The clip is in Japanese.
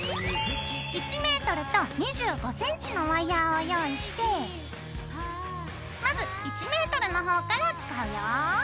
１メートルと２５センチのワイヤーを用意してまず１メートルの方から使うよ。